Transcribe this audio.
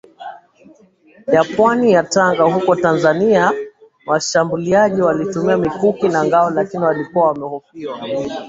ya pwani ya Tanga huko Tanzania Washambuliaji walitumia mikuki na ngao lakini walikuwa wamehofiwa